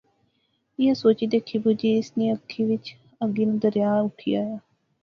ایہہ سوچی، دیکھی، بجی اس نیں اکھی وچ اگی ناں دریا اٹھی آیا